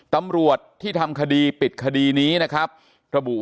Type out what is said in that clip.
ตำรวจที่ทำคดีปิดคดีนี้นะครับระบุ